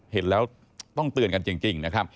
เห็นแล้วต้องเตื่อนกันจริง